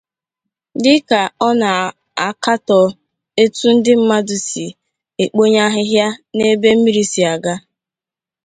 Dịka ọ na-akatọ etu ndị mmadụ si ekponye ahịhịa n'ebe mmiri si aga